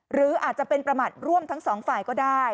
หรืออาจจะเป็นประมาทร่วมทั้งสองฝ่ายก็ได้